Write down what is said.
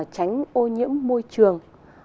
tránh ô nhiễm môi trường